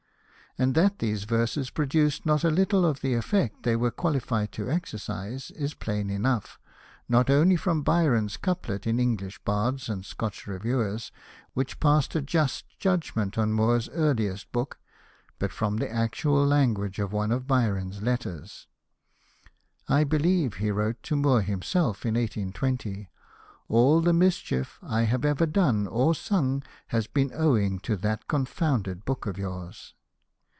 And that these verses produced not a little of the effect they were qualified to exercise is plain enough, not only from Byron's couplet in English Bards and Scotch Reviewers^ which passed a just Hosted by Google INTRODUCTION xi judgment on Moore's earliest book, but from the actual language of one of Byron's letters. " I believe," he wrote to Moore himself in 1820, "all the mischief I have ever done or sung has been owing to that con founded book of yours."